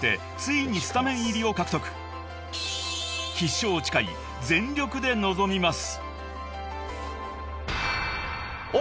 ［必勝を誓い全力で臨みます］